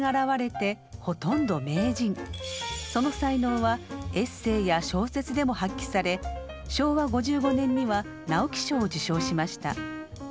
その才能はエッセイや小説でも発揮され昭和５５年には直木賞を受賞しました。